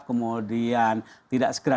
kemudian tidak segera